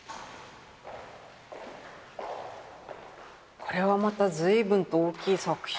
これはまた随分と大きい作品ですよね。